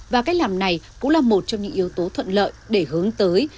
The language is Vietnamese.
và cách làm này cũng là một trong những yếu tố thuận lợi để hướng tới